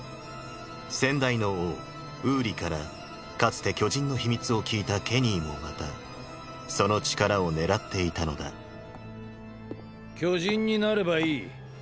先代の王ウーリからかつて巨人の秘密を聞いたケニーもまたその力を狙っていたのだ巨人になればいい。